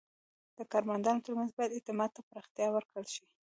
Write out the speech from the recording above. د کارمندانو ترمنځ باید اعتماد ته پراختیا ورکړل شي.